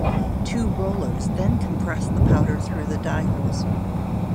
Two rollers then compress the powder through the die holes.